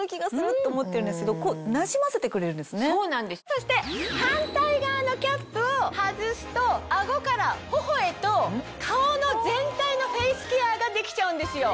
そして反対側のキャップを外すと顎から頬へと顔の全体のフェイスケアができちゃうんですよ。